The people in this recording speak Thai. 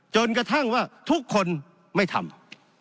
จนกระทั่งว่าทุกคนไม่ทำ